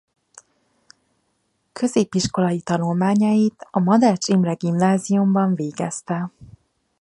Középiskolai tanulmányait a Madách Imre Gimnáziumban végezte.